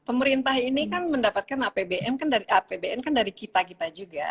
pemerintah ini kan mendapatkan apbn kan dari kita kita juga